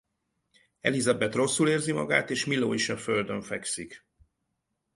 Elizabeth rosszul érzi magát és Milo is a földön fekszik.